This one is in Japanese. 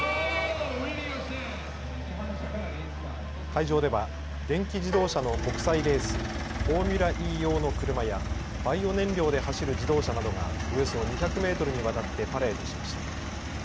会場では電気自動車の国際レースフォーミュラＥ用の車やバイオ燃料で走る自動車などがおよそ２００メートルにわたってパレードしました。